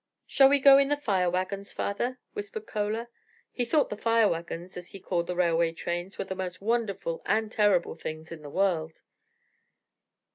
"Shall we go in the 'fire wagons,' father?" whispered Chola. He thought the "fire wagons," as they called the railway trains, were the most wonderful and terrible things in the world.